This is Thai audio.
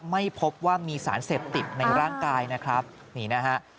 ไม่พบว่ามีสารเสพติดในร่างกายนะครับนี่นะฮะ